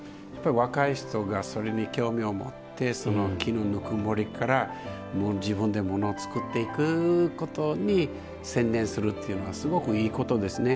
若い人がそれに興味を持って木のぬくもりから自分で物を作っていくことに専念するっていうのはすごくいいことですね。